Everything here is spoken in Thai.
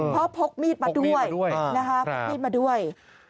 เพราะพกมีดมาด้วยนะคะพกมีดมาด้วย